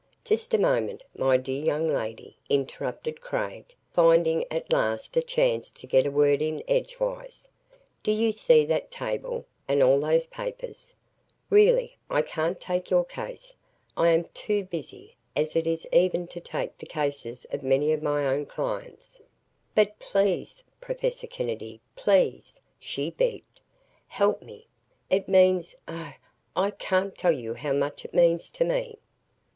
"Just a moment, my dear young lady," interrupted Craig, finding at last a chance to get a word in edgewise. "Do you see that table and all those papers? Really, I can't take your case. I am too busy as it is even to take the cases of many of my own clients." "But, please, Professor Kennedy please!" she begged. "Help me. It means oh, I can't tell you how much it means to me!"